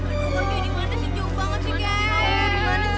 aduh buahnya dimana sih